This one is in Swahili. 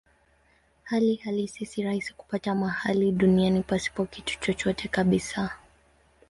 Hali halisi si rahisi kupata mahali duniani pasipo kitu chochote kabisa.